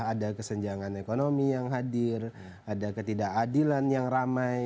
ada kesenjangan ekonomi yang hadir ada ketidakadilan yang ramai